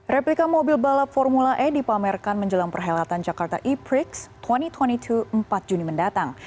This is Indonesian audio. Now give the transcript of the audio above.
replika mobil balap formula e dipamerkan menjelang perhelatan jakarta e prix dua ribu dua puluh dua empat juni mendatang